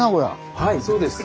はいそうです。